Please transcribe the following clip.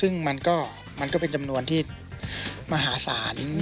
ซึ่งมันก็เป็นจำนวนที่มหาศาล